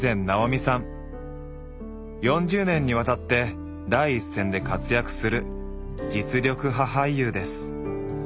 ４０年にわたって第一線で活躍する実力派俳優です。